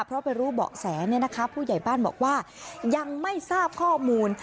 เพราะไปรู้เปราะแสนะพูดใหญ่บ้านบอกว่ายังไม่ทราบข้อมูล